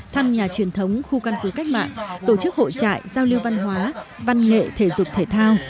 thăm nhà truyền thống khu căn cứ cách mạng tổ chức hội trại giao lưu văn hóa văn nghệ thể dục thể thao